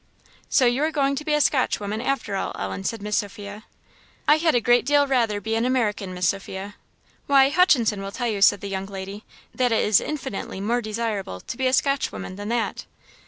"So you are going to be a Scotchwoman, after all, Ellen," said Miss Sophia. "I had a great deal rather be an American, Miss Sophia." "Why, Hutchinson will tell you," said the young lady, "that it is infinitely more desirable to be a Scotchwoman than that."